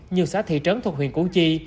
nhưng xã thị trấn thuộc huyền củ chi